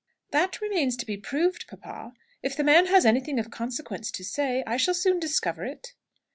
"That remains to be proved, papa. If the man has anything of consequence to say, I shall soon discover it."